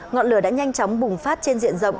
ngọn lửa đã nhanh chóng bùng phát trên diện rộng